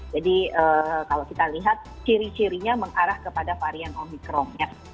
jadi kalau kita lihat ciri cirinya mengarah kepada varian omicron